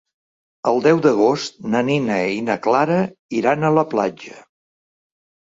El deu d'agost na Nina i na Clara iran a la platja.